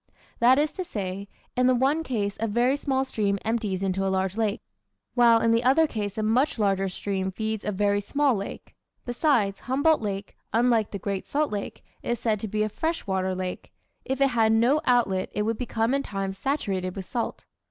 That is to say, in the one case a very small stream empties into a large lake, while in the other case a much larger stream feeds a very small lake. Besides, Humboldt Lake, unlike the Great Salt Lake, is said to be a fresh water lake; if it had no outlet it would become in time saturated with salt.